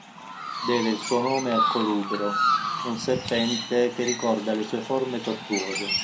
Deve il suo nome al colubro, un serpente che ricorda le sue forme tortuose.